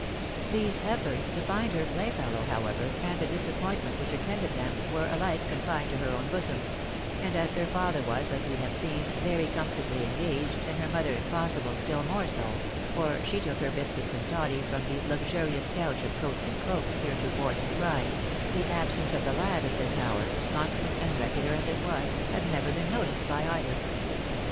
These efforts to find her playfellow, however, and the dis appointment which attended them, were ahke confined to her own bosom ; and as her father was, as we have seen, very com fortably engaged, and her mother, if possible, still more so — ^for she took her biscuits and toddy from the luxurious couch of coats A DISCOVEKY IN THE CABIN. 65 and cloaks heretofore described — the absence of the lad at this liour, constant and regular as it was, had never been noticed by either.